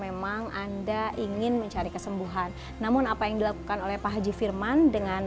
memang anda ingin mencari kesembuhan namun apa yang dilakukan oleh pak haji firman dengan